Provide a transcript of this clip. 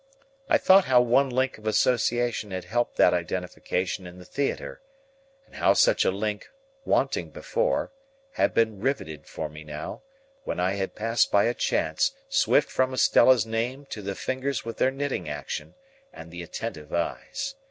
I thought how one link of association had helped that identification in the theatre, and how such a link, wanting before, had been riveted for me now, when I had passed by a chance swift from Estella's name to the fingers with their knitting action, and the attentive eyes.